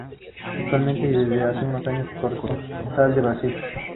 Actualmente, y desde hace años, es corresponsal en Brasil.